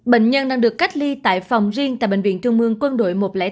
bệnh nhân đang được cách ly tại phòng riêng tại bệnh viện trung mương quân đội một trăm linh năm